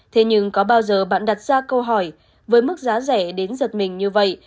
thế nhưng có bao giờ bạn đặt ra câu hỏi với mức giá rẻ đến giật mình như vậy